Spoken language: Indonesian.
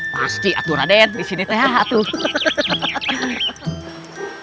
pasti atur raden disini teh atuh